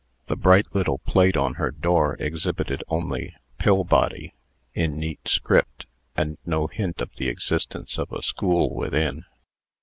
The bright little plate on her door exhibited only "Pillbody," in neat script, and no hint of the existence of a school within.